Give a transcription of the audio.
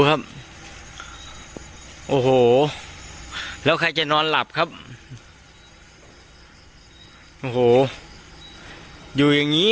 โอ้โหแล้วใครจะนอนหลับครับโอ้โหอยู่อย่างงี้